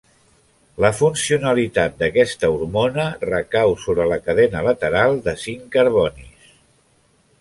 La funcionalitat d'aquesta hormona recau sobre la cadena lateral de cinc carbonis.